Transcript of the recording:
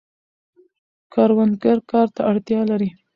کروندګر کار ته اړتیا لري.